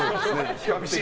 比較的。